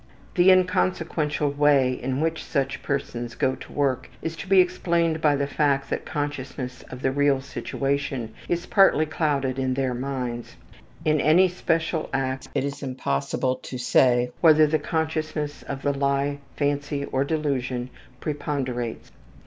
The inconsequential way in which such persons go to work is to be explained by the fact that consciousness of the real situation is partly clouded in their minds. In any special act it is impossible to say whether the consciousness of the lie, fancy, or delusion preponderates.